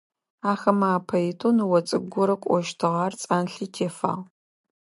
Ахэмэ апэ итэу ныо цӀыкӀу горэ кӀощтыгъ, ар цӀанлъи тефагъ.